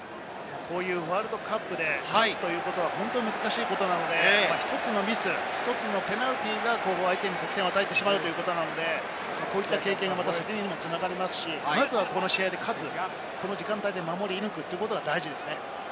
こういうワールドカップで勝つというのは本当に難しいことなので、１つのミス、１つのペナルティーが相手に得点を与えてしまうということなので、こういった経験がまた先にも繋がりますし、まずはこの試合で勝つ、この時間帯で守り抜くというのが大事ですね。